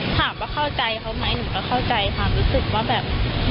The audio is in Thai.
ถามว่าเข้าใจเขาไหมหนูก็เข้าใจความรู้สึกว่าแบบ